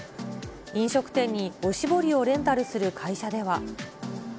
飲食店におしぼりをレンタルする会社では。